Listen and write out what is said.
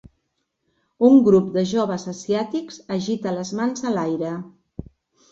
Un grup de joves asiàtics agita les mans a l'aire.